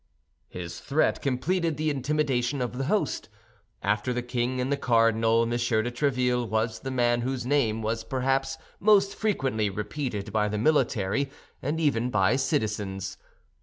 His threat completed the intimidation of the host. After the king and the cardinal, M. de Tréville was the man whose name was perhaps most frequently repeated by the military, and even by citizens.